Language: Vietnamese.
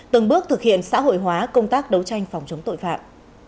từng bước thực hiện xã hội hóa công tác đấu tranh phòng chống tội phạm